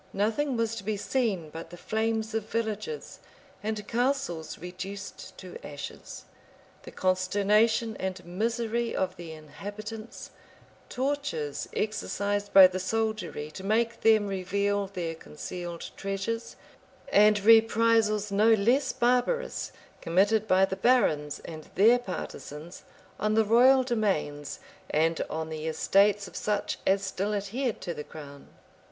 Nothing was to be seen but the flames of villages, and castles reduced to ashes, the consternation and misery of the inhabitants, tortures exercised by the soldiery to make them reveal their concealed treasures, and reprisals no less barbarous, committed by the barons and their partisans on the royal demesnes, and on the estates of such as still adhered to the crown.